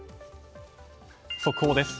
速報です。